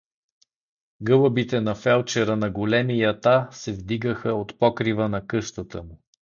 Гълъбите на фелдшера на големи ята се вдигаха от покрива на къщата му.